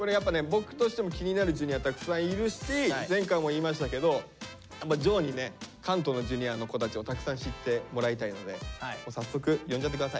僕としても気になるＪｒ．たくさんいるし前回も言いましたけど丈にね関東のＪｒ．の子たちをたくさん知ってもらいたいので早速呼んじゃってください。